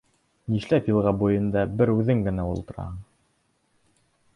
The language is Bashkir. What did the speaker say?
Нишләп йылға буйында бер үҙең генә ултыраһың?